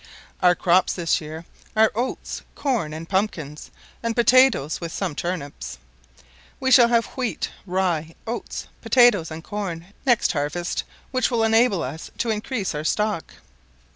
Our crops this year are oats, corn, and pumpkins, and potatoes, with some turnips. We shall have wheat, rye, oats, potatoes, and corn next harvest, which will enable us to increase our stock.